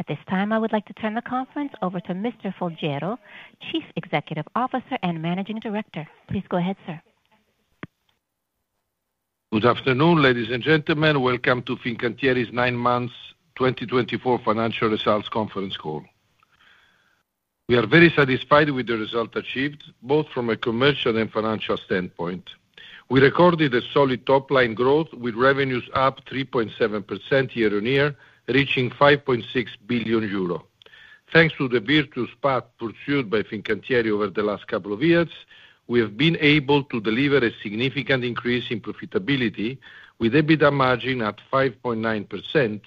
At this time, I would like to turn the conference over to Mr. Folgiero, Chief Executive Officer and Managing Director. Please go ahead, sir. Good afternoon, ladies and gentlemen. Welcome to Fincantieri's nine months 2024 Financial results conference Ccall. We are very satisfied with the results achieved, both from a commercial and financial standpoint. We recorded a solid top-line growth, with revenues up 3.7% year-on-year, reaching 5.6 billion euro. Thanks to the virtuous path pursued by Fincantieri over the last couple of years, we have been able to deliver a significant increase in profitability, with EBITDA margin at 5.9%,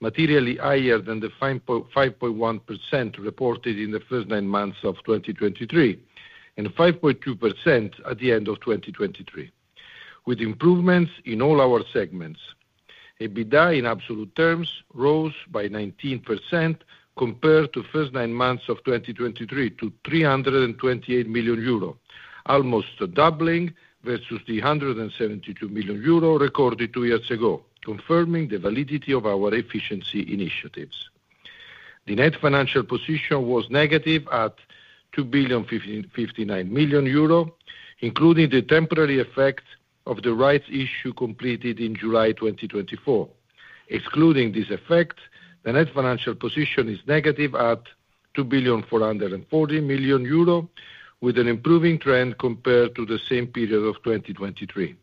materially higher than the 5.1% reported in the first nine months of 2023 and 5.2% at the end of 2023, with improvements in all our segments. EBITDA, in absolute terms, rose by 19% compared to the first 9 months of 2023, to 328 million euro, almost doubling versus the 172 million euro recorded two years ago, confirming the validity of our efficiency initiatives. The net financial position was negative at 2.59 million euro, including the temporary effect of the rights issue completed in July 2024. Excluding this effect, the net financial position is negative at 2.440 million euro, with an improving trend compared to the same period of 2023.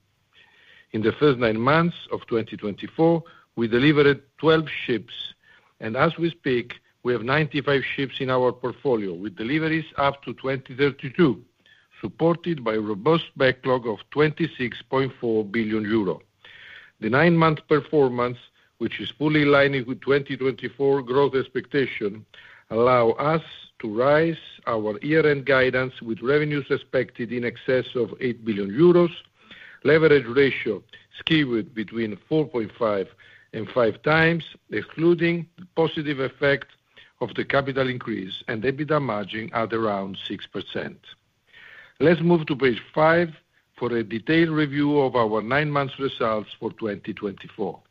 In the first nine months of 2024, we delivered 12 ships, and as we speak, we have 95 ships in our portfolio, with deliveries up to 2032, supported by a robust backlog of 26.4 billion euro. The nine-month performance, which is fully aligning with 2024 growth expectations, allows us to raise our year-end guidance, with revenues expected in excess of 8 billion euros, leverage ratio skewed between 4.5 and 5 times, and EBITDA margin at around 6%. Let's move to page five for a detailed review of our nine-month results for 2024.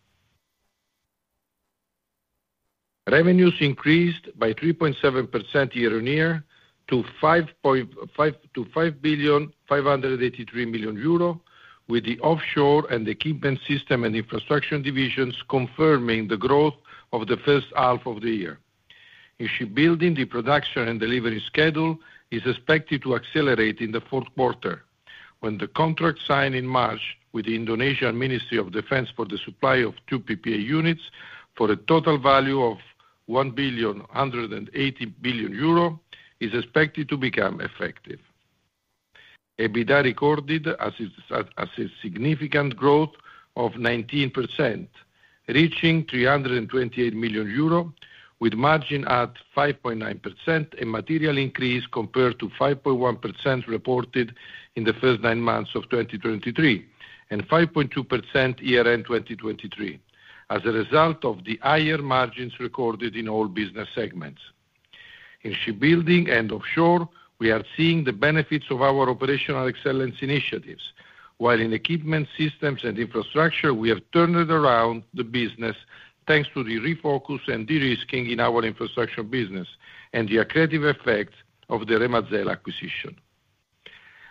Revenues increased by 3.7% year-on-year to 5.583 million euro, with the offshore and the equipment system and infrastructure divisions confirming the growth of the first half of the year. Shipbuilding production and delivery schedule is expected to accelerate in the fourth quarter, when the contract signed in March with the Indonesian Ministry of Defense for the supply of two PPA units for a total value of 1.180 billion is expected to become effective. EBITDA recorded a significant growth of 19%, reaching 328 million euro, with margin at 5.9%, a material increase compared to 5.1% reported in the first nine months of 2023 and 5.2% year-end 2023, as a result of the higher margins recorded in all business segments. In cruise-building and offshore, we are seeing the benefits of our operational excellence initiatives, while in equipment systems and infrastructure, we have turned around the business thanks to the refocus and derisking in our infrastructure business and the accretive effect of the Remazel acquisition.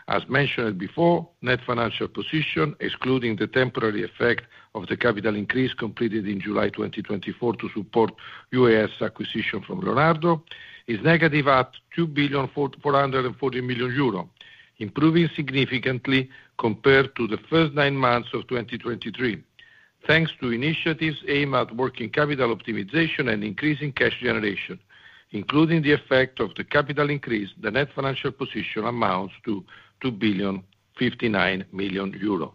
As mentioned before, net financial position, excluding the temporary effect of the capital increase completed in July 2024 to support UAS acquisition from Leonardo, is negative at 2.440 million euros, improving significantly compared to the first nine months of 2023, thanks to initiatives aimed at working capital optimization and increasing cash generation, including the effect of the capital increase. The net financial position amounts to 2.59 million euros.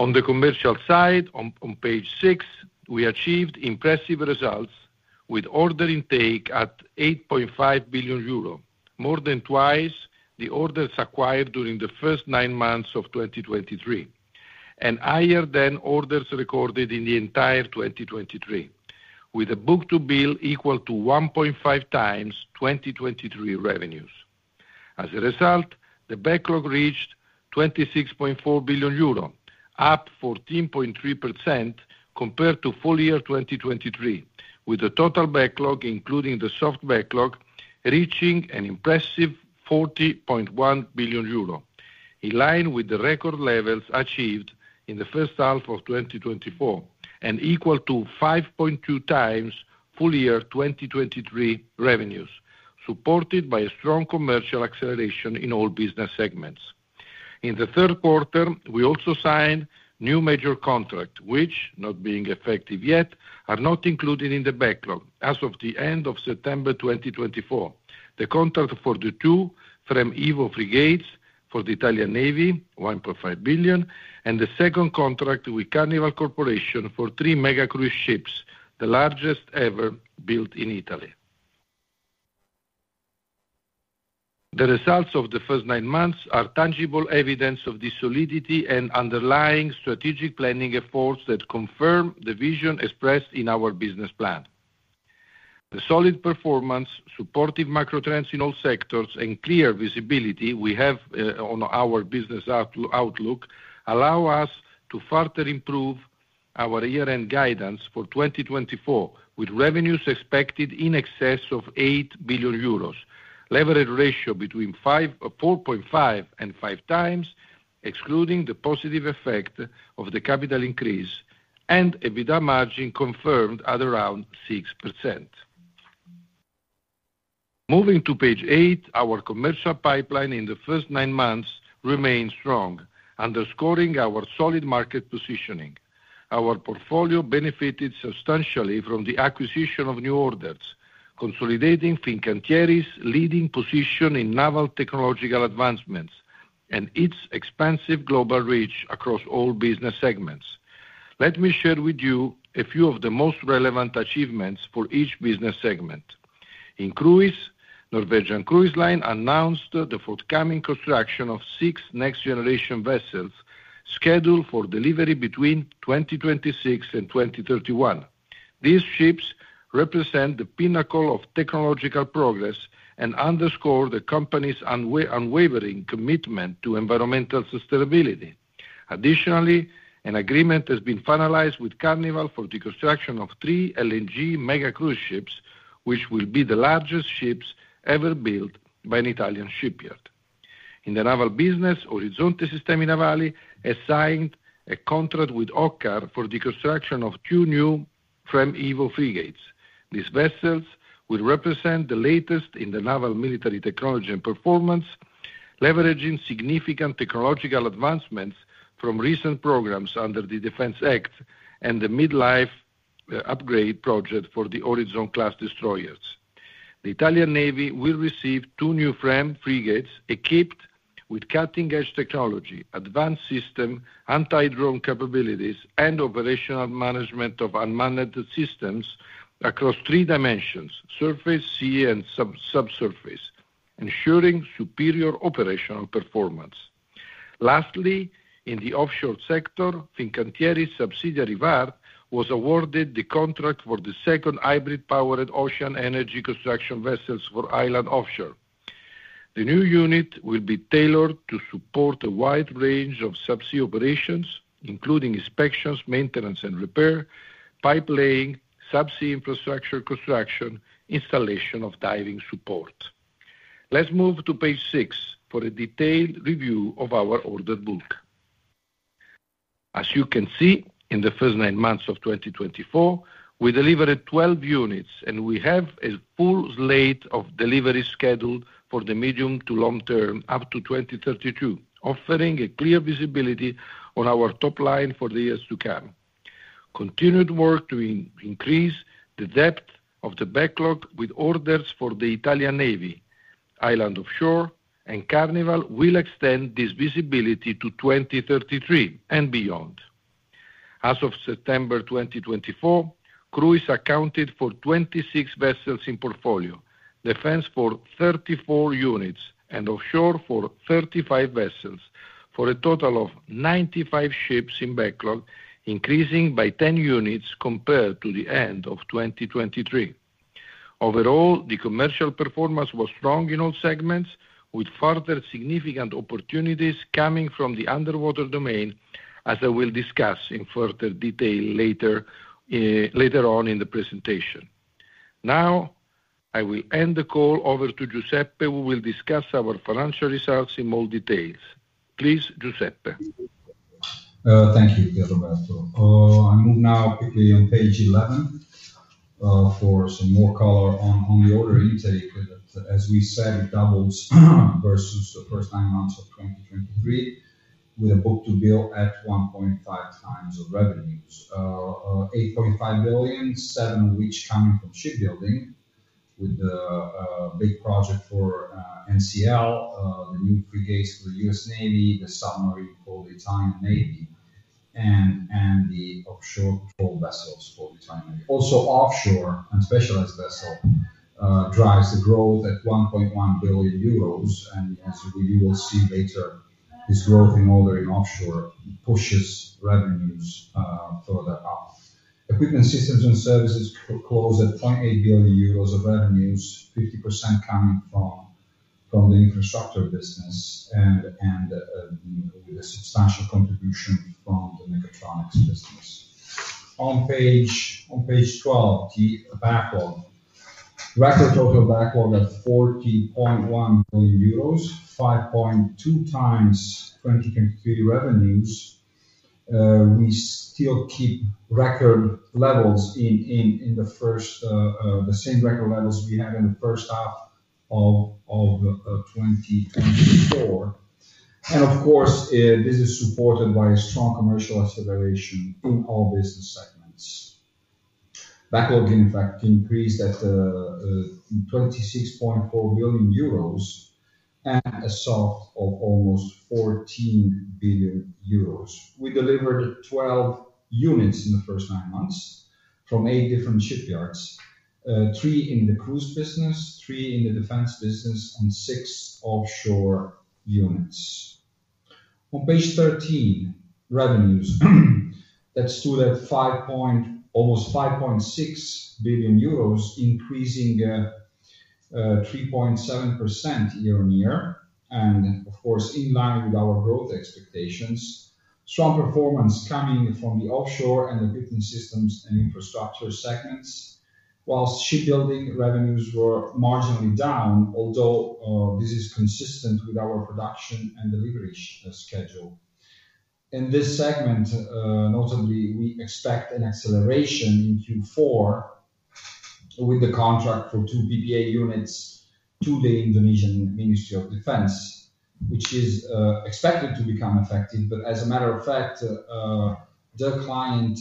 On the commercial side, on page 6, we achieved impressive results, with order intake at 8.5 billion euro, more than twice the orders acquired during the first nine months of 2023, and higher than orders recorded in the entire 2023, with a book-to-bill equal to 1.5 times 2023 revenues. As a result, the backlog reached 26.4 billion euro, up 14.3% compared to full year 2023, with the total backlog, including the soft backlog, reaching an impressive 40.1 billion euro, in line with the record levels achieved in the first half of 2024 and equal to 5.2 times full year 2023 revenues, supported by a strong commercial acceleration in all business segments. In the third quarter, we also signed new major contracts, which, not being effective yet, are not included in the backlog as of the end of September 2024: the contract for the two FREMM Evo frigates for the Italian Navy, 1.5 billion, and the second contract with Carnival Corporation for three mega cruise ships, the largest ever built in Italy. The results of the first nine months are tangible evidence of the solidity and underlying strategic planning efforts that confirm the vision expressed in our business plan. The solid performance, supportive macro trends in all sectors, and clear visibility we have on our business outlook allow us to further improve our year-end guidance for 2024, with revenues expected in excess of 8 billion euros, leverage ratio between 4.5 and 5 times, excluding the positive effect of the capital increase, and EBITDA margin confirmed at around 6%. Moving to page 8, our commercial pipeline in the first nine months remains strong, underscoring our solid market positioning. Our portfolio benefited substantially from the acquisition of new orders, consolidating Fincantieri's leading position in naval technological advancements and its expansive global reach across all business segments. Let me share with you a few of the most relevant achievements for each business segment. In cruise, Norwegian Cruise Line announced the forthcoming construction of six next-generation vessels scheduled for delivery between 2026 and 2031. These ships represent the pinnacle of technological progress and underscore the company's unwavering commitment to environmental sustainability. Additionally, an agreement has been finalized with Carnival for the construction of three LNG mega cruise ships, which will be the largest ships ever built by an Italian shipyard. In the naval business, Orizzonte Sistemi Navali has signed a contract with OCCAR for the construction of two new FREMM Evo frigates. These vessels will represent the latest in the naval military technology and performance, leveraging significant technological advancements from recent programs under the Defense Act and the mid-life upgrade project for the Orizzonte-class destroyers. The Italian Navy will receive two new FREMM frigates equipped with cutting-edge technology, advanced system anti-drone capabilities, and operational management of unmanned systems across three dimensions: surface, sea, and subsurface, ensuring superior operational performance. Lastly, in the offshore sector, Fincantieri subsidiary VARD was awarded the contract for the second hybrid-powered ocean energy construction vessel for Island Offshore. The new unit will be tailored to support a wide range of subsea operations, including inspections, maintenance, and repair, pipelaying, subsea infrastructure construction, and installation of diving support. Let's move to page 6 for a detailed review of our order book. As you can see, in the first nine months of 2024, we delivered 12 units, and we have a full slate of deliveries scheduled for the medium to long term up to 2032, offering a clear visibility on our top line for the years to come. Continued work to increase the depth of the backlog, with orders for the Italian Navy, Island Offshore, and Carnival, will extend this visibility to 2033 and beyond. As of September 2024, cruise accounted for 26 vessels in portfolio, defense for 34 units, and offshore for 35 vessels, for a total of 95 ships in backlog, increasing by 10 units compared to the end of 2023. Overall, the commercial performance was strong in all segments, with further significant opportunities coming from the underwater domain, as I will discuss in further detail later on in the presentation. Now, I will end the call. Over to Giuseppe, who will discuss our financial results in more detail. Please, Giuseppe. Thank you, Pierroberto. I'll move now quickly on page 11 for some more color on the order intake. As we said, it doubles versus the first nine months of 2023, with a book-to-bill at 1.5 times of revenues, 8.5 billion, seven of which coming from shipbuilding, with the big project for NCL, the new frigates for the U.S. Navy, the submarine for the Italian Navy, and the offshore vessels for the Italian Navy. Also, offshore and specialized vessels drive the growth at 1.1 billion euros, and as we will see later, this growth in ordering offshore pushes revenues further up. Equipment systems and services close at 0.8 billion euros of revenues, 50% coming from the infrastructure business and with a substantial contribution from the mechatronics business. On page 12, the backlog, record total backlog at 40.1 billion euros, 5.2 times 2023 revenues. We still keep record levels in the first, the same record levels we had in the first half of 2024, and of course, this is supported by a strong commercial acceleration in all business segments. Backlog, in fact, increased at 26.4 billion euros and a soft backlog of almost 14 billion euros. We delivered 12 units in the first nine months from eight different shipyards, three in the cruise business, three in the defense business, and six offshore units. On page 13, revenues that stood at almost 5.6 billion euros, increasing 3.7% year-on-year, and of course, in line with our growth expectations. Strong performance coming from the offshore and equipment systems and infrastructure segments, while shipbuilding revenues were marginally down, although this is consistent with our production and delivery schedule. In this segment, notably, we expect an acceleration in Q4 with the contract for two PPA units to the Indonesian Ministry of Defense, which is expected to become effective. But as a matter of fact, the client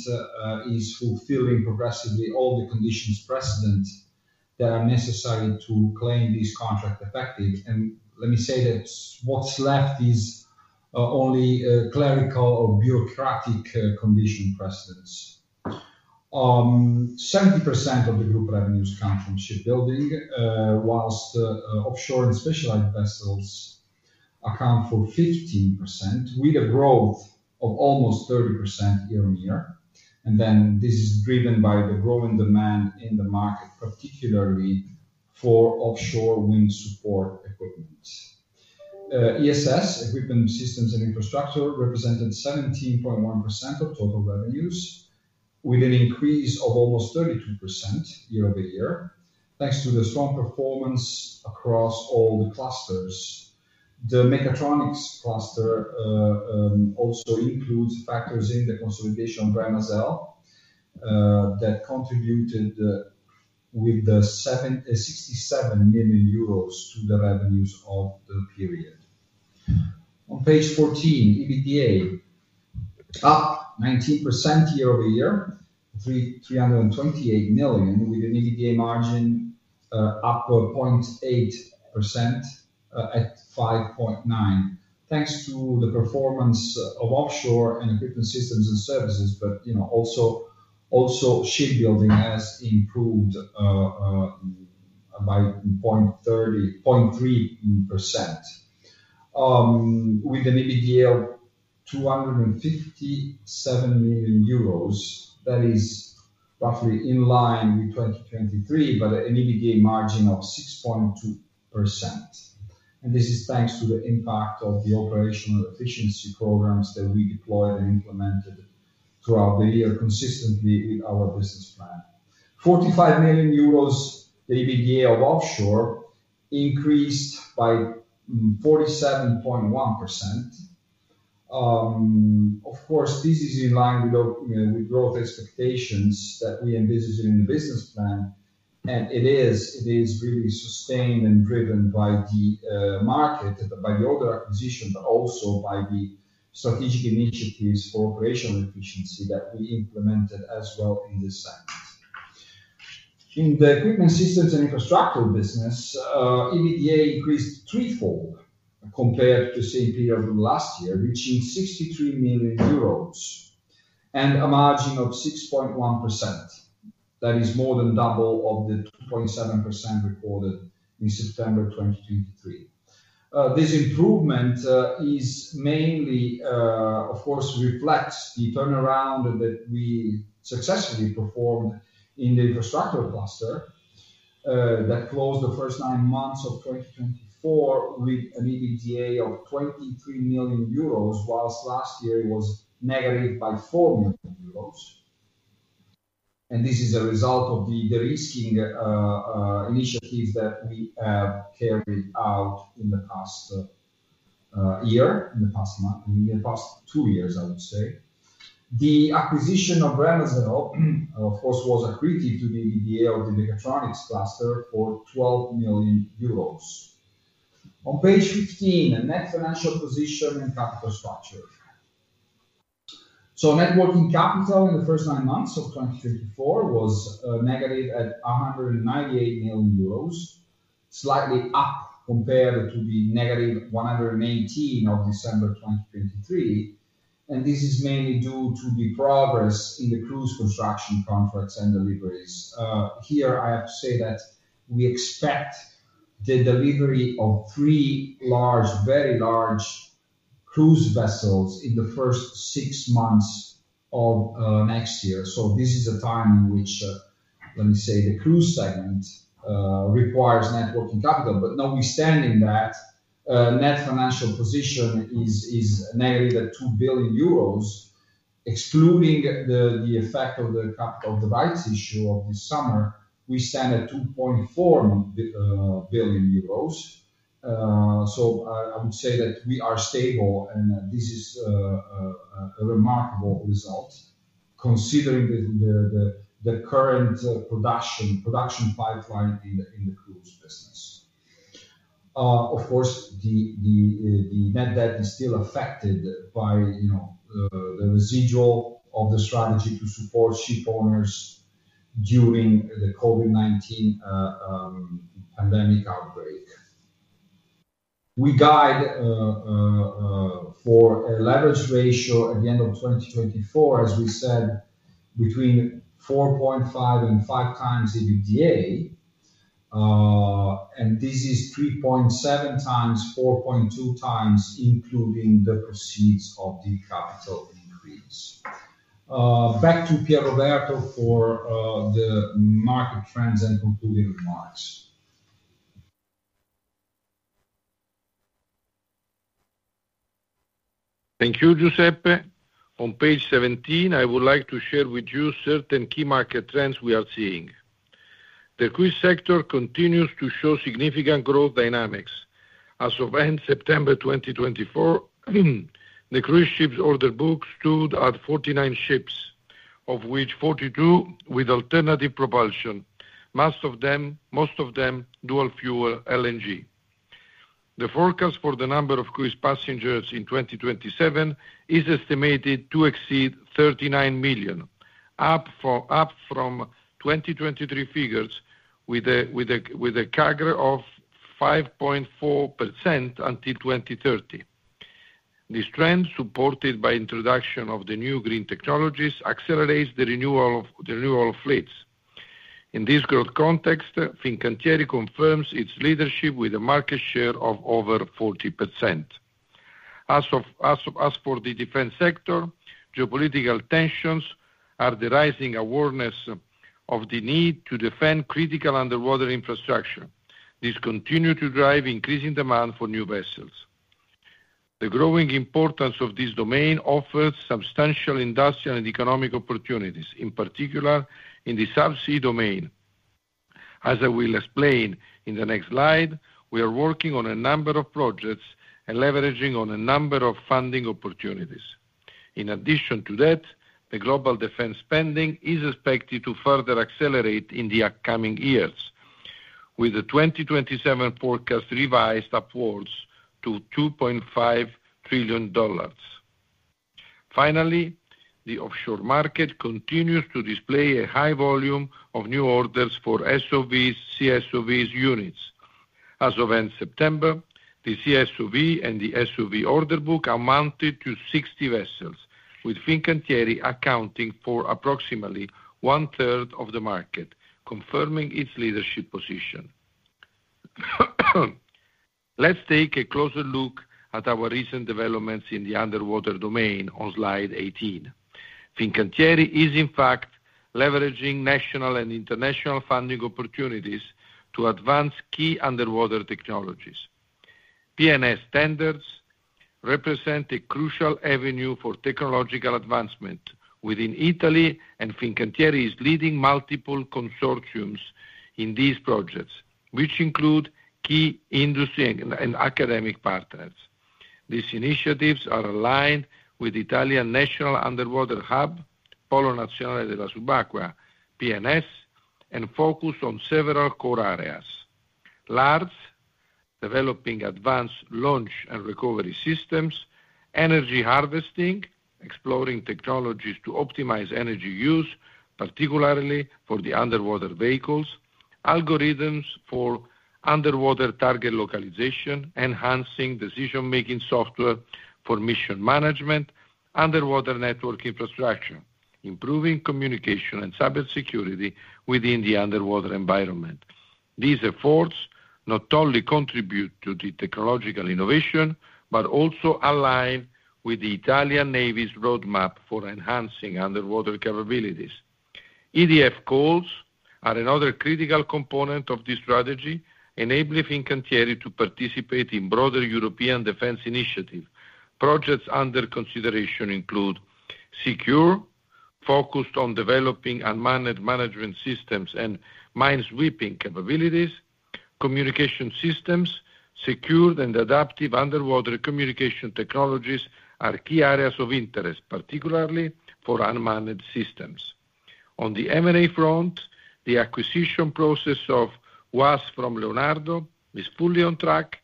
is fulfilling progressively all the conditions precedent that are necessary to claim this contract effective. And let me say that what's left is only clerical or bureaucratic conditions precedent. 70% of the group revenues come from shipbuilding, while offshore and specialized vessels account for 15%, with a growth of almost 30% year-over-year. And then this is driven by the growing demand in the market, particularly for offshore wind support equipment. ESS, equipment systems and infrastructure, represented 17.1% of total revenues, with an increase of almost 32% year-over-year, thanks to the strong performance across all the clusters. The mechatronics cluster also includes factors in the consolidation of Remazel that contributed with 67 million euros to the revenues of the period. On page 14, EBITDA up 19% year-over-year, 328 million, with an EBITDA margin up 0.8% at 5.9%, thanks to the performance of offshore and equipment systems and services. But also shipbuilding has improved by 0.3%. With an EBITDA of 257 million euros, that is roughly in line with 2023, but an EBITDA margin of 6.2%. And this is thanks to the impact of the operational efficiency programs that we deployed and implemented throughout the year consistently with our business plan. 45 million euros EBITDA of offshore increased by 47.1%. Of course, this is in line with growth expectations that we envisaged in the business plan, and it is really sustained and driven by the market, by the order acquisition, but also by the strategic initiatives for operational efficiency that we implemented as well in this segment. In the equipment systems and infrastructure business, EBITDA increased threefold compared to the same period last year, reaching 63 million euros and a margin of 6.1%. That is more than double of the 2.7% recorded in September 2023. This improvement is mainly, of course, reflects the turnaround that we successfully performed in the infrastructure cluster that closed the first nine months of 2024 with an EBITDA of 23 million euros, while last year it was negative by 4 million euros. This is a result of the derisking initiatives that we carried out in the past year, in the past month, in the past two years, I would say. The acquisition of Remazel, of course, was a kick to the EBITDA of the mechatronics cluster for 12 million euros. On page 15, net financial position and capital structure. Net working capital in the first nine months of 2024 was negative at 198 million euros, slightly up compared to the negative 118 million of December 2023. This is mainly due to the progress in the cruise construction contracts and deliveries. Here, I have to say that we expect the delivery of three large, very large cruise vessels in the first six months of next year. This is a time in which, let me say, the cruise segment requires net working capital. But now we stand in that net financial position is negative at 2 billion euros. Excluding the effect of the capital of the rights issue of this summer, we stand at 2.4 billion euros. So I would say that we are stable, and this is a remarkable result considering the current production pipeline in the cruise business. Of course, the net debt is still affected by the residual of the strategy to support ship owners during the COVID-19 pandemic outbreak. We guide for a leverage ratio at the end of 2024, as we said, between 4.5 and 5 times EBITDA, and this is 3.7 times, 4.2 times, including the proceeds of the capital increase. Back to Pierroberto for the market trends and concluding remarks. Thank you, Giuseppe. On page 17, I would like to share with you certain key market trends we are seeing. The cruise sector continues to show significant growth dynamics. As of end September 2024, the cruise ships order book stood at 49 ships, of which 42 with alternative propulsion, most of them dual-fuel LNG. The forecast for the number of cruise passengers in 2027 is estimated to exceed 39 million, up from 2023 figures with a CAGR of 5.4% until 2030. This trend, supported by the introduction of the new green technologies, accelerates the renewal of fleets. In this growth context, Fincantieri confirms its leadership with a market share of over 40%. As for the defense sector, geopolitical tensions are the rising awareness of the need to defend critical underwater infrastructure. This continues to drive increasing demand for new vessels. The growing importance of this domain offers substantial industrial and economic opportunities, in particular in the subsea domain. As I will explain in the next slide, we are working on a number of projects and leveraging on a number of funding opportunities. In addition to that, the global defense spending is expected to further accelerate in the upcoming years, with the 2027 forecast revised upwards to $2.5 trillion. Finally, the offshore market continues to display a high volume of new orders for SOVs, CSOVs, units. As of end September, the CSOV and the SOV order book amounted to 60 vessels, with Fincantieri accounting for approximately one-third of the market, confirming its leadership position. Let's take a closer look at our recent developments in the underwater domain on slide 18. Fincantieri is, in fact, leveraging national and international funding opportunities to advance key underwater technologies. PNS standards represent a crucial avenue for technological advancement within Italy, and Fincantieri is leading multiple consortiums in these projects, which include key industry and academic partners. These initiatives are aligned with the Italian National Underwater Hub, Polo Nazionale della Subacquea, PNS, and focus on several core areas: LARS, developing advanced launch and recovery systems. Energy harvesting, exploring technologies to optimize energy use, particularly for the underwater vehicles. Algorithms for underwater target localization. Enhancing decision-making software for mission management. Underwater network infrastructure. Improving communication and cybersecurity within the underwater environment. These efforts not only contribute to the technological innovation but also align with the Italian Navy's roadmap for enhancing underwater capabilities. EDF calls are another critical component of this strategy, enabling Fincantieri to participate in broader European defense initiatives. Projects under consideration include SECURE, focused on developing unmanned management systems and minesweeping capabilities. Communication systems, secured and adaptive underwater communication technologies are key areas of interest, particularly for unmanned systems. On the M&A front, the acquisition process of WASS from Leonardo is fully on track,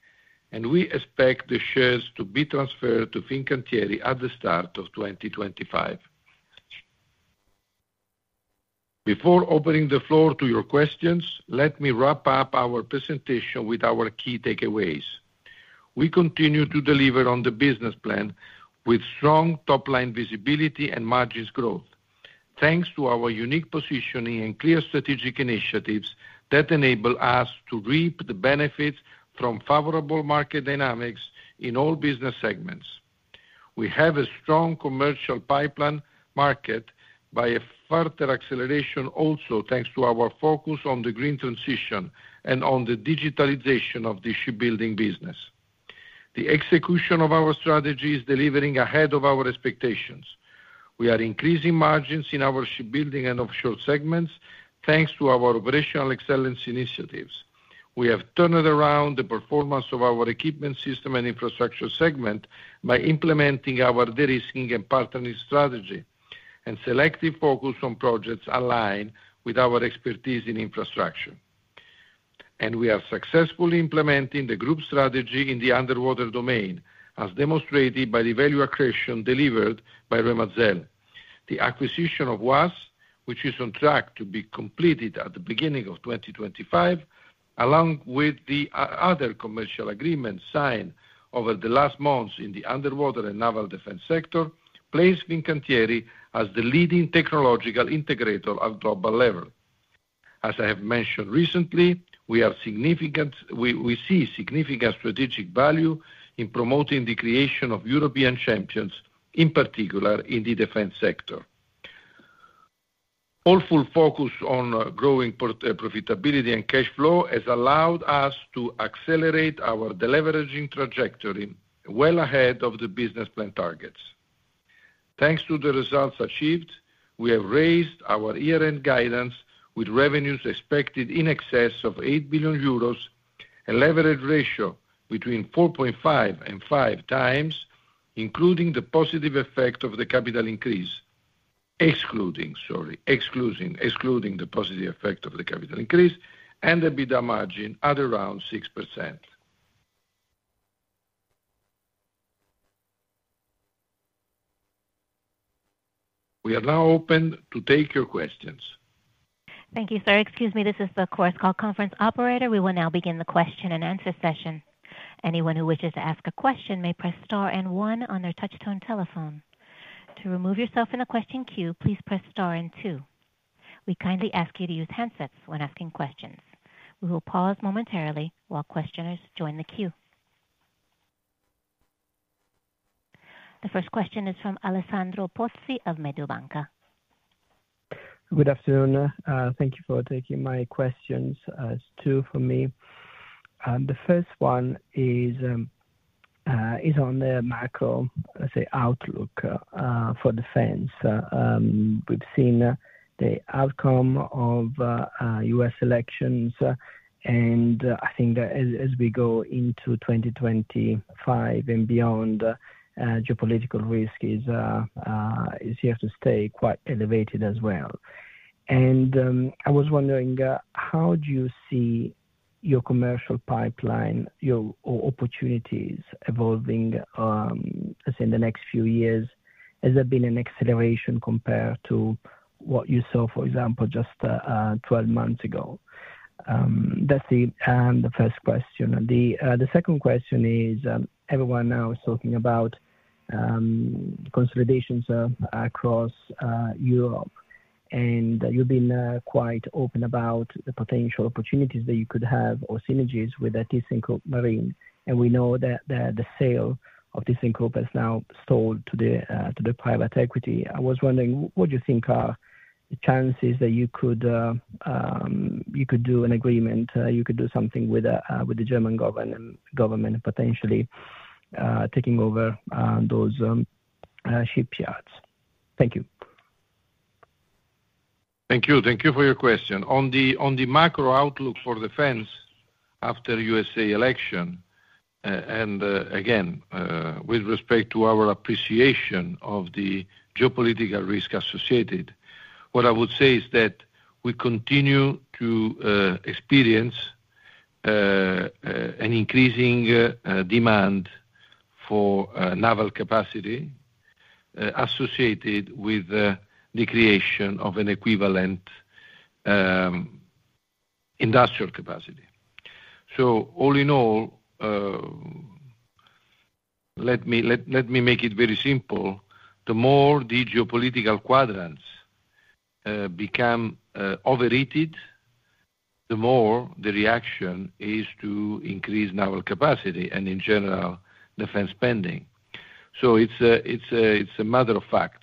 and we expect the shares to be transferred to Fincantieri at the start of 2025. Before opening the floor to your questions, let me wrap up our presentation with our key takeaways. We continue to deliver on the business plan with strong top-line visibility and margins growth, thanks to our unique positioning and clear strategic initiatives that enable us to reap the benefits from favorable market dynamics in all business segments. We have a strong commercial pipeline marked by a further acceleration also thanks to our focus on the green transition and on the digitalization of the shipbuilding business. The execution of our strategy is delivering ahead of our expectations. We are increasing margins in our shipbuilding and offshore segments thanks to our operational excellence initiatives. We have turned around the performance of our equipment system and infrastructure segment by implementing our derisking and partnering strategy, and selective focus on projects aligned with our expertise in infrastructure. We are successfully implementing the group strategy in the underwater domain, as demonstrated by the value accretion delivered by Remazel. The acquisition of WASS, which is on track to be completed at the beginning of 2025, along with the other commercial agreements signed over the last months in the underwater and naval defense sector, places Fincantieri as the leading technological integrator at global level. As I have mentioned recently, we see significant strategic value in promoting the creation of European champions, in particular in the defense sector. full focus on growing profitability and cash flow has allowed us to accelerate our deleveraging trajectory well ahead of the business plan targets. Thanks to the results achieved, we have raised our year-end guidance with revenues expected in excess of 8 billion euros, a leverage ratio between 4.5 and 5 times, including the positive effect of the capital increase, excluding the positive effect of the capital increase and EBITDA margin at around 6%. We are now open to take your questions. Thank you, sir. Excuse me, this is the conference call operator. We will now begin the question and answer session. Anyone who wishes to ask a question may press star and one on their touch-tone telephone. To remove yourself from the question queue, please press star and two. We kindly ask you to use handsets when asking questions. We will pause momentarily while questioners join the queue. The first question is from Alessandro Pozzi of Mediolanum. Good afternoon. Thank you for taking my questions. Two for me. The first one is on the macro, let's say, outlook for defense. We've seen the outcome of U.S. elections, and I think that as we go into 2025 and beyond, geopolitical risk is here to stay quite elevated as well. And I was wondering, how do you see your commercial pipeline, your opportunities evolving in the next few years? Has there been an acceleration compared to what you saw, for example, just 12 months ago? That's the first question. The second question is everyone now is talking about consolidations across Europe, and you've been quite open about the potential opportunities that you could have or synergies with the thyssenKrupp Marine. And we know that the sale of thyssenKrupp has now sold to the private equity. I was wondering, what do you think are the chances that you could do an agreement, you could do something with the German government, potentially taking over those shipyards? Thank you. Thank you. Thank you for your question. On the macro outlook for defense after U.S. election, and again, with respect to our appreciation of the geopolitical risk associated, what I would say is that we continue to experience an increasing demand for naval capacity associated with the creation of an equivalent industrial capacity. So all in all, let me make it very simple. The more the geopolitical quadrants become overheated, the more the reaction is to increase naval capacity and, in general, defense spending. So it's a matter of fact.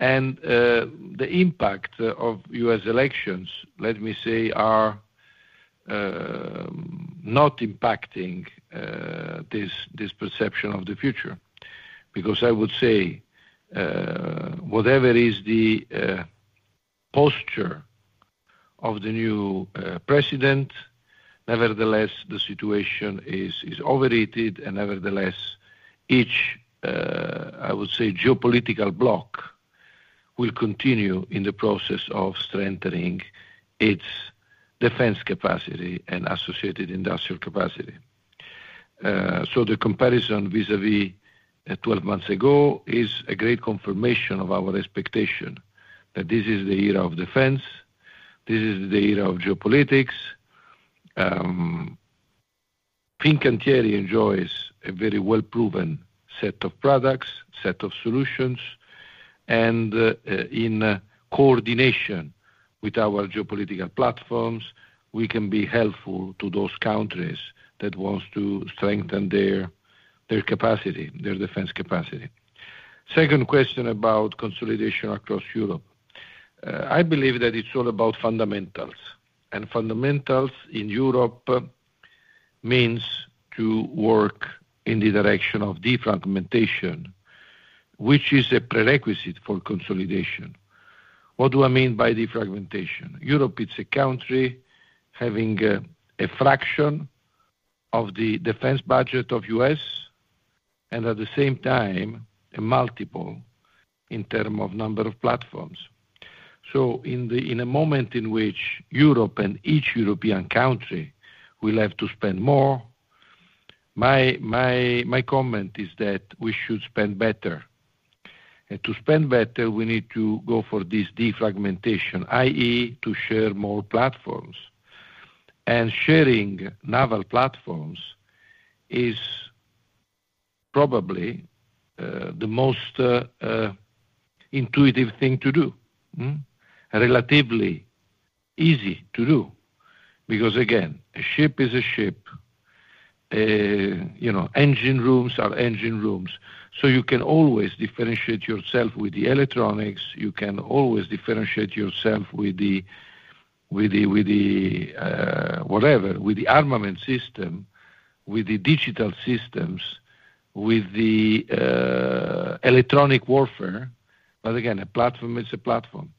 And the impact of U.S. elections, let me say, are not impacting this perception of the future because I would say whatever is the posture of the new president, nevertheless, the situation is overheated, and nevertheless, each, I would say, geopolitical bloc will continue in the process of strengthening its defense capacity and associated industrial capacity. The comparison vis-à-vis 12 months ago is a great confirmation of our expectation that this is the era of defense, this is the era of geopolitics. Fincantieri enjoys a very well-proven set of products, set of solutions, and in coordination with our geopolitical platforms, we can be helpful to those countries that want to strengthen their capacity, their defense capacity. Second question about consolidation across Europe. I believe that it's all about fundamentals. Fundamentals in Europe means to work in the direction of defragmentation, which is a prerequisite for consolidation. What do I mean by defragmentation? Europe, it's a country having a fraction of the defense budget of the U.S. and, at the same time, a multiple in terms of number of platforms. In a moment in which Europe and each European country will have to spend more, my comment is that we should spend better. To spend better, we need to go for this defragmentation, i.e., to share more platforms. Sharing naval platforms is probably the most intuitive thing to do, relatively easy to do because, again, a ship is a ship. Engine rooms are engine rooms. So you can always differentiate yourself with the electronics. You can always differentiate yourself with the, whatever, with the armament system, with the digital systems, with the electronic warfare. But again, a platform is a platform.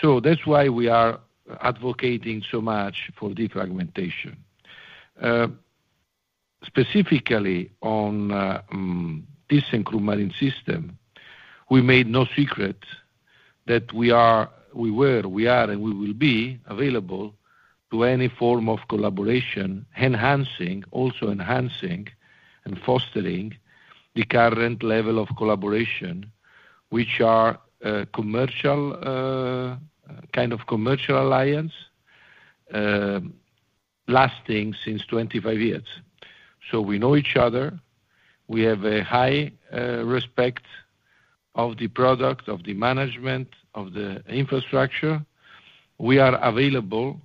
So that's why we are advocating so much for defragmentation. Specifically on thyssenKrupp Marine Systems, we made no secret that we are, we were, we are, and we will be available to any form of collaboration, enhancing, also enhancing and fostering the current level of collaboration, which are kind of commercial alliance lasting since 25 years. So we know each other. We have a high respect of the product, of the management, of the infrastructure. We are available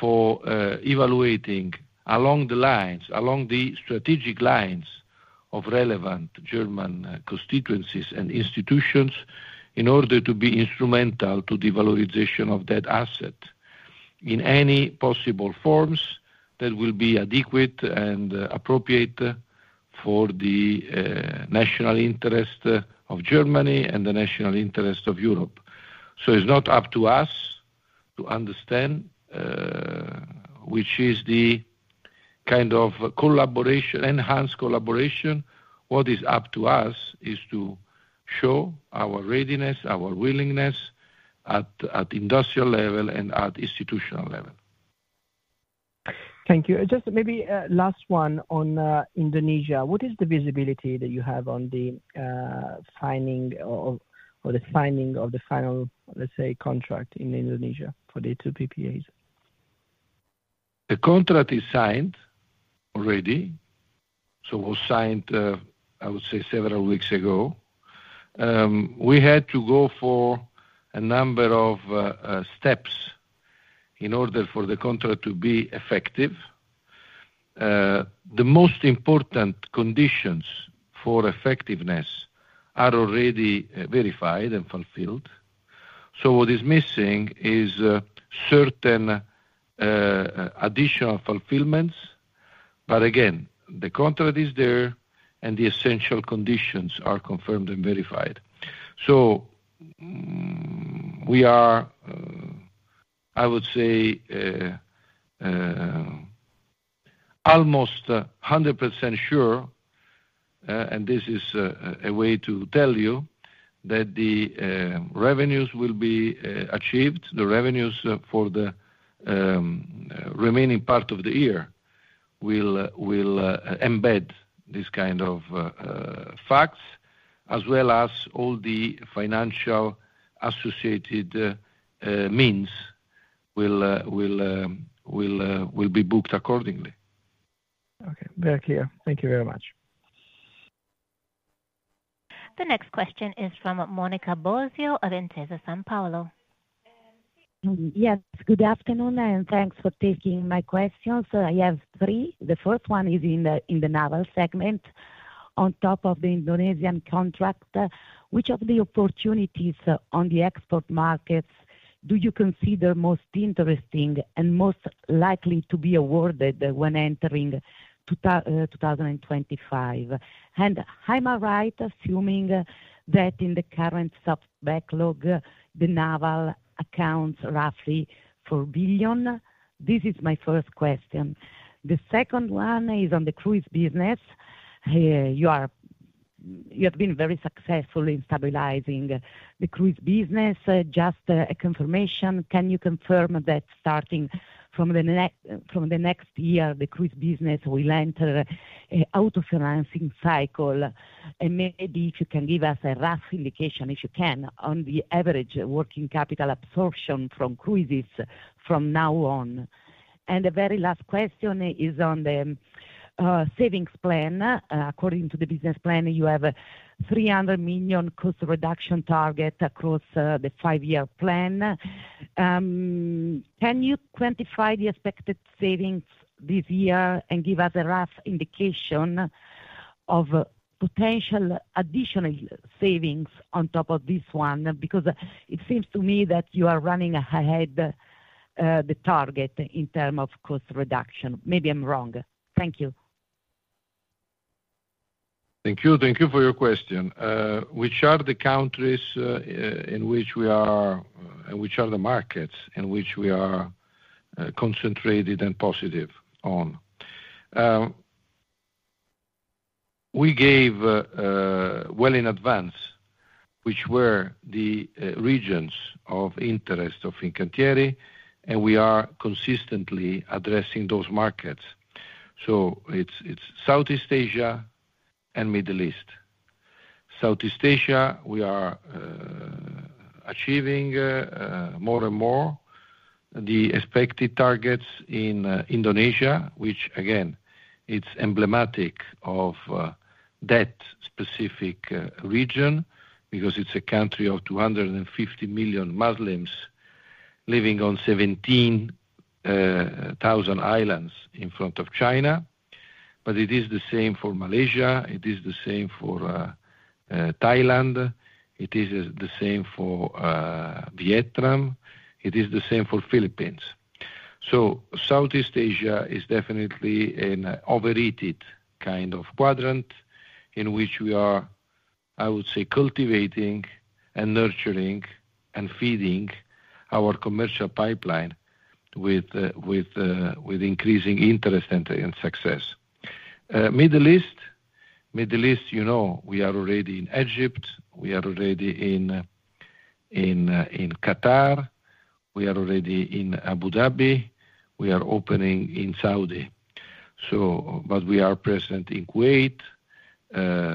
for evaluating along the lines, along the strategic lines of relevant German constituencies and institutions in order to be instrumental to the valorization of that asset in any possible forms that will be adequate and appropriate for the national interest of Germany and the national interest of Europe, so it's not up to us to understand which is the kind of collaboration, enhanced collaboration. What is up to us is to show our readiness, our willingness at industrial level and at institutional level. Thank you. Just maybe last one on Indonesia. What is the visibility that you have on the signing of the final, let's say, contract in Indonesia for the two PPAs? The contract is signed already. So it was signed, I would say, several weeks ago. We had to go for a number of steps in order for the contract to be effective. The most important conditions for effectiveness are already verified and fulfilled. So what is missing is certain additional fulfillments. But again, the contract is there, and the essential conditions are confirmed and verified. So we are, I would say, almost 100% sure, and this is a way to tell you that the revenues will be achieved, the revenues for the remaining part of the year will embed this kind of facts, as well as all the financial associated means will be booked accordingly. Okay. Very clear. Thank you very much. The next question is from Monica Bosio of Intesa Sanpaolo. Yes. Good afternoon, and thanks for taking my questions. I have three. The first one is in the naval segment. On top of the Indonesian contract, which of the opportunities on the export markets do you consider most interesting and most likely to be awarded when entering 2025? And am I right, assuming that in the current soft backlog, the naval accounts roughly for a billion? This is my first question. The second one is on the cruise business. You have been very successful in stabilizing the cruise business. Just a confirmation, can you confirm that starting from the next year, the cruise business will enter an autofinancing cycle? And maybe if you can give us a rough indication, if you can, on the average working capital absorption from cruises from now on. And the very last question is on the savings plan. According to the business plan, you have a 300 million cost reduction target across the five-year plan. Can you quantify the expected savings this year and give us a rough indication of potential additional savings on top of this one? Because it seems to me that you are running ahead the target in terms of cost reduction. Maybe I'm wrong. Thank you. Thank you. Thank you for your question. Which are the countries in which we are and which are the markets in which we are concentrated and positive on? We gave well in advance which were the regions of interest of Fincantieri, and we are consistently addressing those markets. So it's Southeast Asia and Middle East. Southeast Asia, we are achieving more and more the expected targets in Indonesia, which, again, it's emblematic of that specific region because it's a country of 250 million Muslims living on 17,000 islands in front of China. But it is the same for Malaysia. It is the same for Thailand. It is the same for Vietnam. It is the same for the Philippines. So Southeast Asia is definitely an overheated kind of quadrant in which we are, I would say, cultivating and nurturing and feeding our commercial pipeline with increasing interest and success. Middle East, Middle East, you know we are already in Egypt. We are already in Qatar. We are already in Abu Dhabi. We are opening in Saudi. But we are present in Kuwait.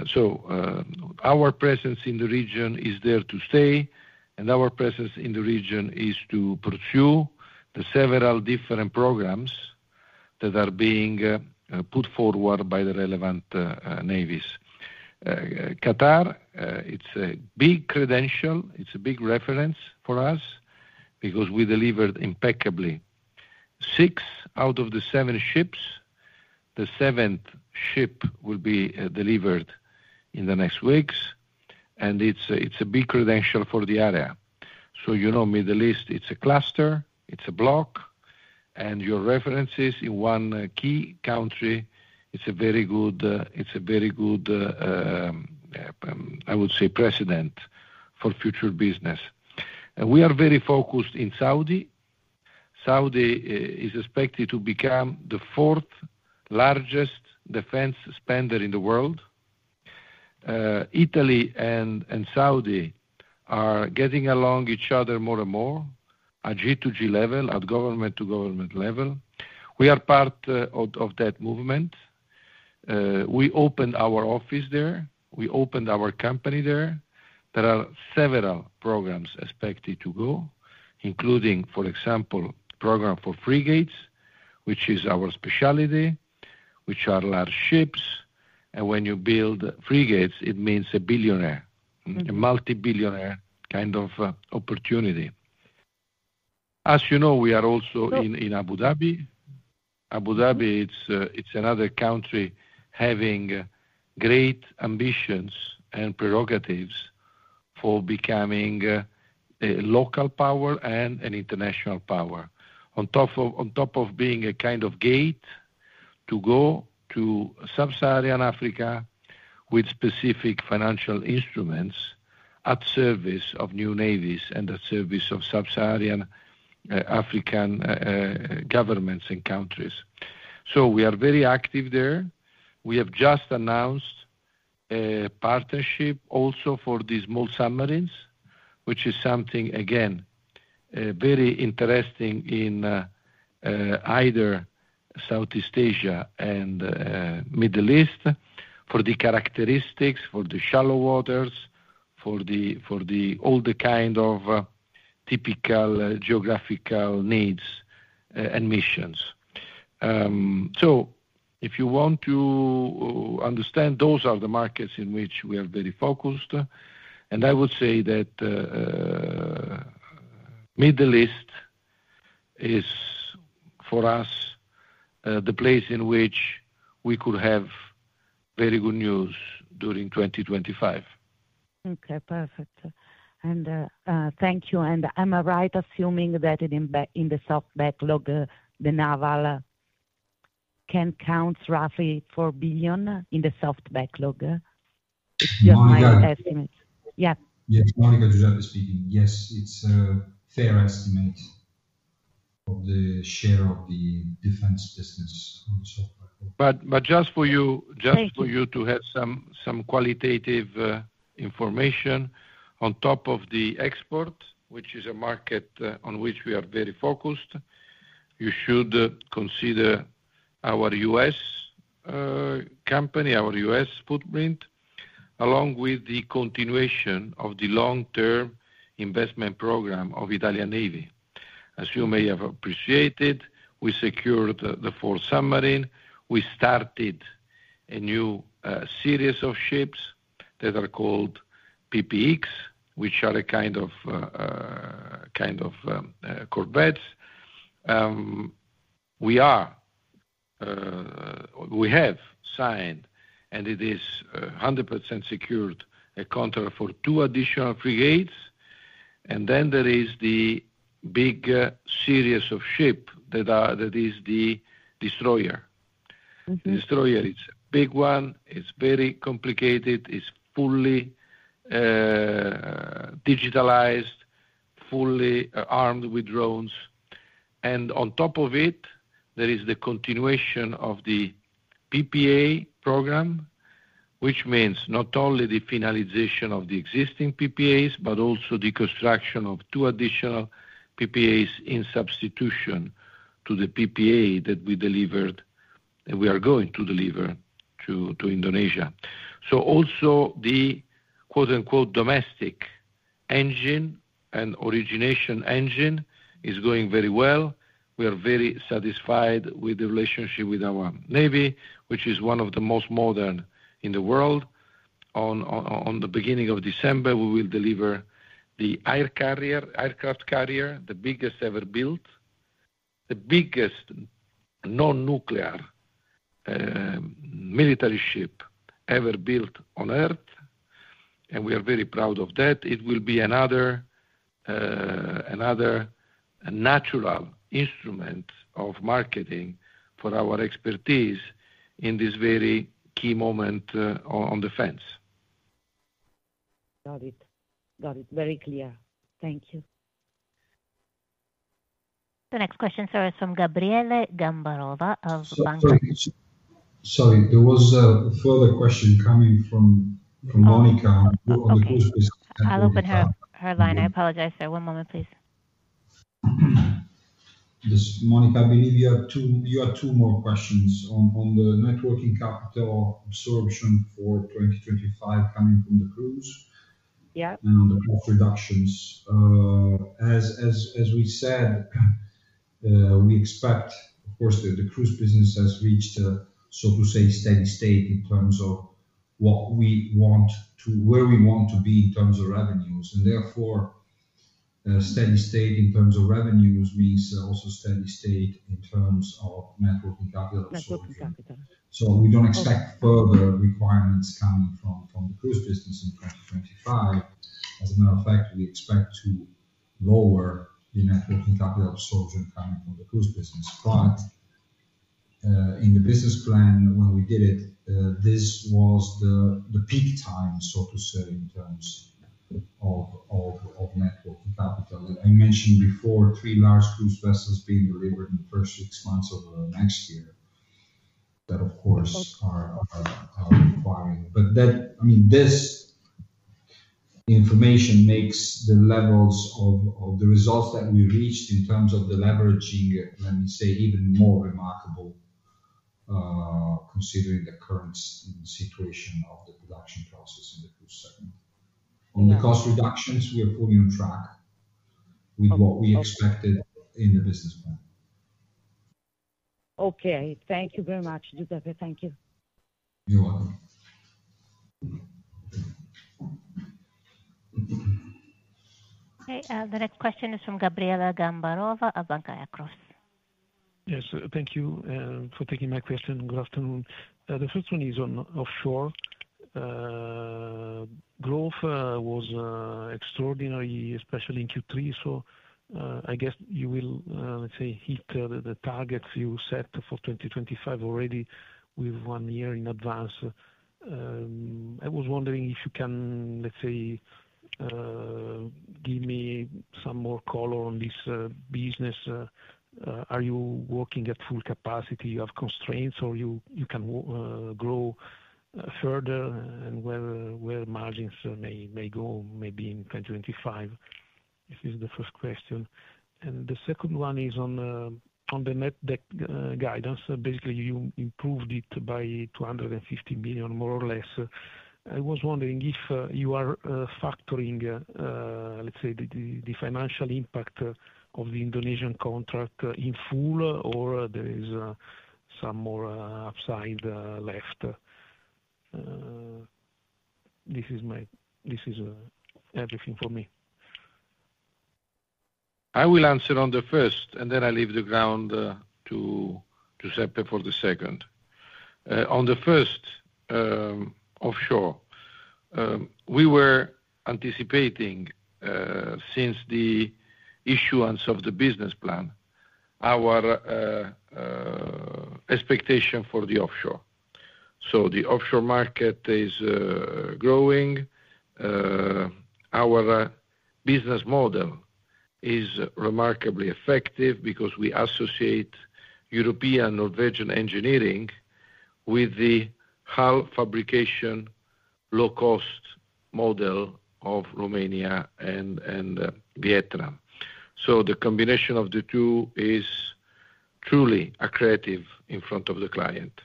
So our presence in the region is there to stay, and our presence in the region is to pursue the several different programs that are being put forward by the relevant navies. Qatar, it's a big credential. It's a big reference for us because we delivered impeccably. Six out of the seven ships, the seventh ship will be delivered in the next weeks. And it's a big credential for the area. So you know Middle East, it's a cluster. It's a bloc. And your references in one key country, it's a very good, it's a very good, I would say, precedent for future business. And we are very focused in Saudi. Saudi is expected to become the fourth largest defense spender in the world. Italy and Saudi are getting along each other more and more at G2G level, at government-to-government level. We are part of that movement. We opened our office there. We opened our company there. There are several programs expected to go, including, for example, the program for frigates, which is our specialty, which are large ships, and when you build frigates, it means a billionaire, a multi-billionaire kind of opportunity. As you know, we are also in Abu Dhabi. Abu Dhabi, it's another country having great ambitions and prerogatives for becoming a local power and an international power. On top of being a kind of gate to go to Sub-Saharan Africa with specific financial instruments at service of new navies and at service of Sub-Saharan African governments and countries. So we are very active there. We have just announced a partnership also for these small submarines, which is something, again, very interesting in either Southeast Asia and Middle East for the characteristics, for the shallow waters, for all the kind of typical geographical needs and missions. So if you want to understand, those are the markets in which we are very focused. And I would say that Middle East is, for us, the place in which we could have very good news during 2025. Okay. Perfect. And thank you. And am I right, assuming that in the soft backlog, the naval can count roughly for 1 billion in the soft backlog? It's just my estimate. Yeah. Yes. Monica. Dado speaking. Yes. It's a fair estimate of the share of the defense business on the soft backlog. But just for you to have some qualitative information, on top of the export, which is a market on which we are very focused, you should consider our U.S. company, our U.S. footprint, along with the continuation of the long-term investment program of the Italian Navy. As you may have appreciated, we secured the four submarines. We started a new series of ships that are called PPX, which are a kind of corvettes. We have signed, and it is 100% secured, a contract for two additional frigates. And then there is the big series of ships that is the destroyer. The destroyer is a big one. It's very complicated. It's fully digitalized, fully armed with drones. On top of it, there is the continuation of the PPA program, which means not only the finalization of the existing PPAs, but also the construction of two additional PPAs in substitution to the PPA that we delivered and we are going to deliver to Indonesia. Also the "domestic engine" and "origination engine" is going very well. We are very satisfied with the relationship with our navy, which is one of the most modern in the world. On the beginning of December, we will deliver the aircraft carrier, the biggest ever built, the biggest non-nuclear military ship ever built on Earth. We are very proud of that. It will be another natural instrument of marketing for our expertise in this very key moment on defense. Got it. Got it. Very clear. Thank you. The next question, sir, is from Gabriele Gambarova of Banca Akros. Sorry. There was a further question coming from Monica on the cruise business. I'll open her line. I apologize, sir. One moment, please. Monica, I believe you have two more questions on the working capital absorption for 2025 coming from the cruise and on the cost reductions. As we said, we expect, of course, that the cruise business has reached, so to say, steady state in terms of what we want to where we want to be in terms of revenues. And therefore, steady state in terms of revenues means also steady state in terms of working capital. Networking capital. We don't expect further requirements coming from the cruise business in 2025. As a matter of fact, we expect to lower the net working capital absorption coming from the cruise business. But in the business plan, when we did it, this was the peak time, so to say, in terms of net working capital. I mentioned before, three large cruise vessels being delivered in the first six months of next year that, of course, are requiring. But I mean, this information makes the levels of the results that we reached in terms of the leveraging, let me say, even more remarkable considering the current situation of the production process in the cruise segment. On the cost reductions, we are fully on track with what we expected in the business plan. Okay. Thank you very much, Giuseppe. Thank you. You're welcome. Okay. The next question is from Gabriele Gambarova of Banca Akros. Yes. Thank you for taking my question. Good afternoon. The first one is on offshore. Growth was extraordinary, especially in Q3. So I guess you will, let's say, hit the targets you set for 2025 already with one year in advance. I was wondering if you can, let's say, give me some more color on this business. Are you working at full capacity? Do you have constraints, or you can grow further and where margins may go maybe in 2025? This is the first question. And the second one is on the net guidance. Basically, you improved it by 250 million, more or less. I was wondering if you are factoring, let's say, the financial impact of the Indonesian contract in full, or there is some more upside left. This is everything for me. I will answer on the first, and then I leave the ground to Giuseppe for the second. On the first, offshore, we were anticipating since the issuance of the business plan, our expectation for the offshore, so the offshore market is growing. Our business model is remarkably effective because we associate European Norwegian engineering with the hull fabrication low-cost model of Romania and Vietnam, so the combination of the two is truly accretive in front of the client.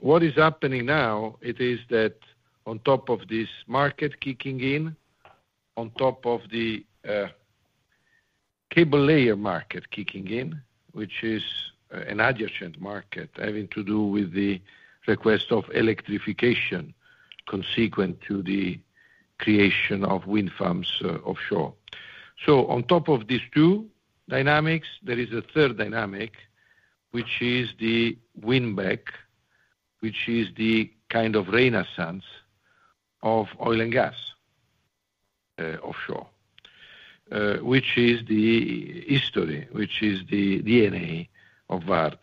What is happening now, it is that on top of this market kicking in, on top of the cable layer market kicking in, which is an adjacent market having to do with the request of electrification consequent to the creation of wind farms offshore. So on top of these two dynamics, there is a third dynamic, which is the win back, which is the kind of renaissance of oil and gas offshore, which is the history, which is the DNA of VARD.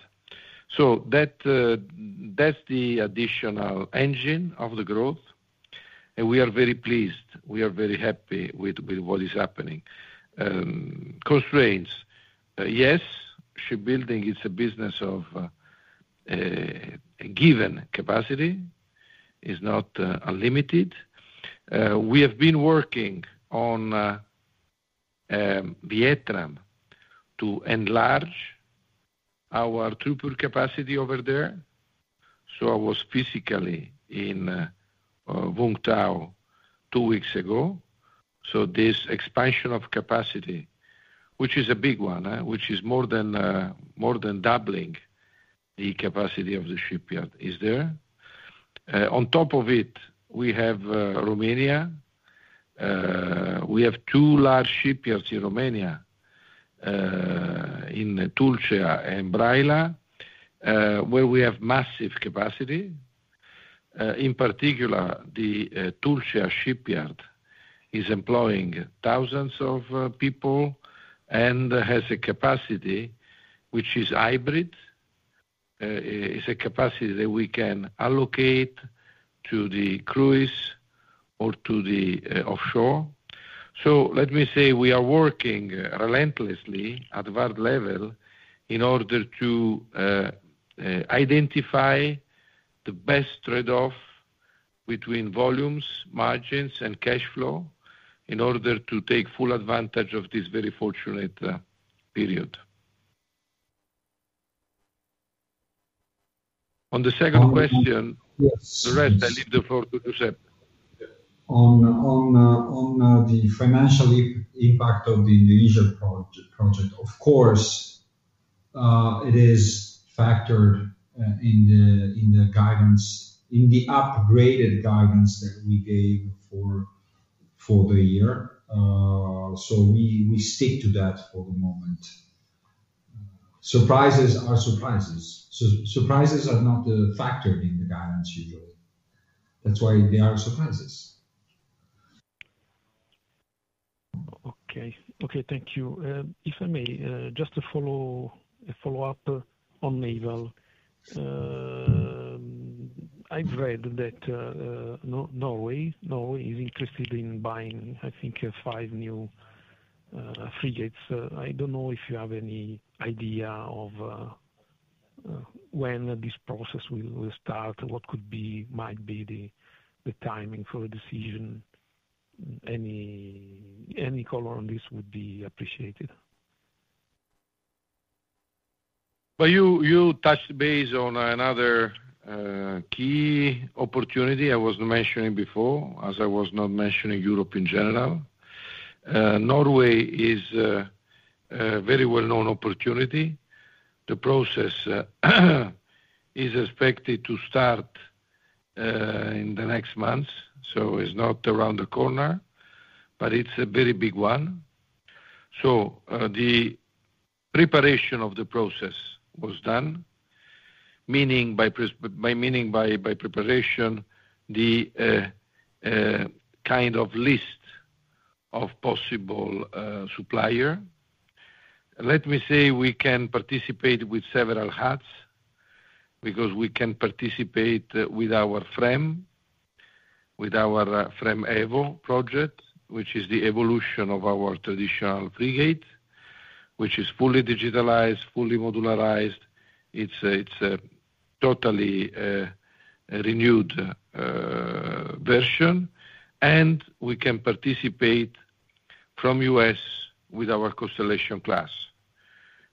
So that's the additional engine of the growth. And we are very pleased. We are very happy with what is happening. Constraints. Yes, shipbuilding is a business of given capacity. It's not unlimited. We have been working on Vietnam to enlarge our throughput capacity over there. So I was physically in Vũng Tàu two weeks ago. So this expansion of capacity, which is a big one, which is more than doubling the capacity of the shipyard, is there. On top of it, we have Romania. We have two large shipyards in Romania, in Tulcea and Braila, where we have massive capacity. In particular, the Tulcea shipyard is employing thousands of people and has a capacity which is hybrid. It's a capacity that we can allocate to the cruise or to the offshore. So let me say we are working relentlessly at VARD level in order to identify the best trade-off between volumes, margins, and cash flow in order to take full advantage of this very fortunate period. On the second question, the rest, I leave the floor to Giuseppe. On the financial impact of the Indonesia project, of course, it is factored in the guidance, in the upgraded guidance that we gave for the year. So we stick to that for the moment. Surprises are surprises. Surprises are not factored in the guidance, usually. That's why they are surprises. Okay. Okay. Thank you. If I may, just to follow up on naval, I've read that Norway is interested in buying, I think, five new frigates. I don't know if you have any idea of when this process will start, what might be the timing for a decision. Any color on this would be appreciated. But you touched base on another key opportunity I was mentioning before, as I was not mentioning Europe in general. Norway is a very well-known opportunity. The process is expected to start in the next months. So it's not around the corner, but it's a very big one. So the preparation of the process was done, meaning by preparation, the kind of list of possible supplier. Let me say we can participate with several hats because we can participate with our FREMM, with our FREMM EVO project, which is the evolution of our traditional frigate, which is fully digitalized, fully modularized. It's a totally renewed version. And we can participate from U.S. with our Constellation Class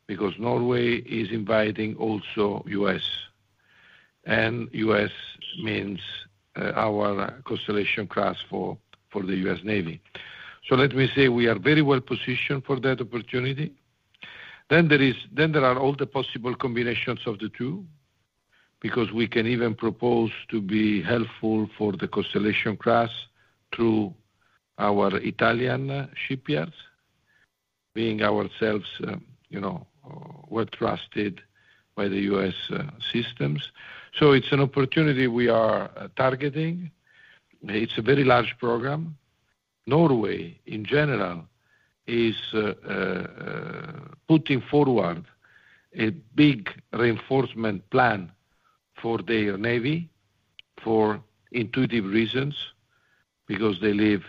because Norway is inviting also U.S. And U.S. means our Constellation Class for the U.S. Navy. So let me say we are very well positioned for that opportunity. Then there are all the possible combinations of the two because we can even propose to be helpful for the Constellation Class through our Italian shipyards, being ourselves well trusted by the U.S. systems. It's an opportunity we are targeting. It's a very large program. Norway, in general, is putting forward a big reinforcement plan for their navy for intuitive reasons because they live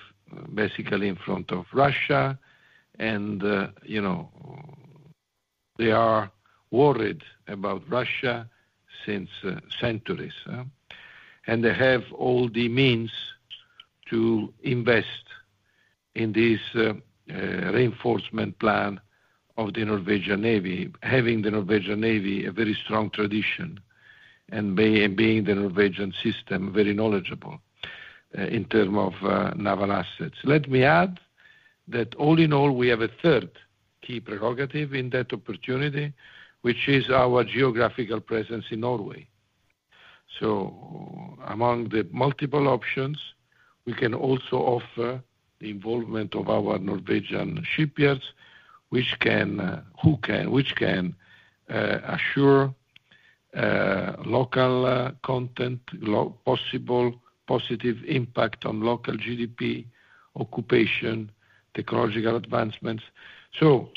basically in front of Russia, and they are worried about Russia for centuries. They have all the means to invest in this reinforcement plan of the Norwegian navy, having the Norwegian navy a very strong tradition and being the Norwegian system very knowledgeable in terms of naval assets. Let me add that all in all, we have a third key prerogative in that opportunity, which is our geographical presence in Norway. So among the multiple options, we can also offer the involvement of our Norwegian shipyards, which can assure local content, possible positive impact on local GDP, occupation, technological advancements. So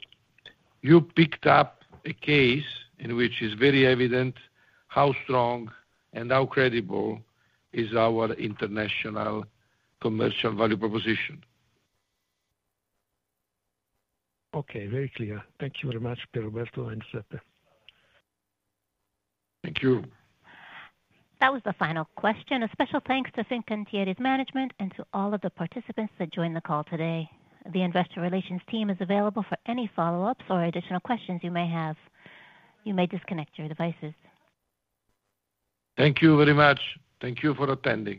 you picked up a case in which it's very evident how strong and how credible is our international commercial value proposition. Okay. Very clear. Thank you very much, Pierroberto and Giuseppe. Thank you. That was the final question. A special thanks to Fincantieri management and to all of the participants that joined the call today. The investor relations team is available for any follow-ups or additional questions you may have. You may disconnect your devices. Thank you very much. Thank you for attending.